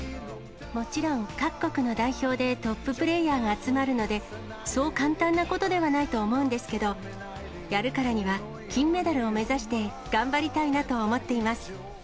もちろん各国の代表でトッププレーヤーが集まるので、そう簡単なことではないと思うんですけど、やるからには金メダルを目指して頑張りたいなと思っています。